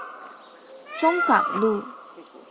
中港路